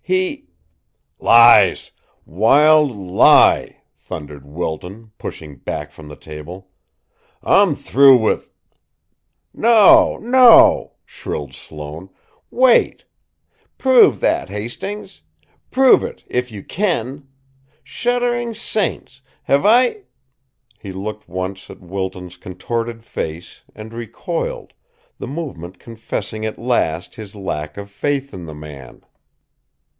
He " "Lies! Wild lie!" thundered Wilton, pushing back from the table. "I'm through with " "No! No!" shrilled Sloane. "Wait! Prove that, Hastings! Prove it if you can! Shuddering saints! Have I ?" He looked once at Wilton's contorted face, and recoiled, the movement confessing at last his lack of faith in the man.